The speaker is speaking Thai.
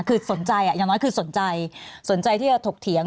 คือสนใจอย่างน้อยคือสนใจสนใจที่จะถกเถียง